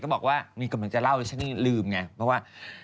ก็บอกว่ามีกำลังจะเล่า